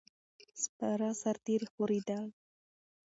سپاره سرتیري خورېدل.